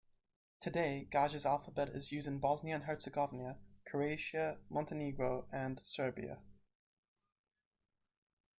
Today Gaj's alphabet is used in Bosnia and Herzegovina, Croatia, Montenegro and Serbia.